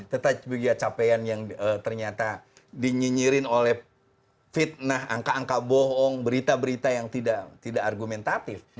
tetapi juga capaian yang ternyata dinyinyirin oleh fitnah angka angka bohong berita berita yang tidak argumentatif